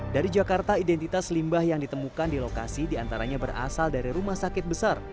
dari jakarta identitas limbah yang ditemukan di lokasi diantaranya berasal dari rumah sakit besar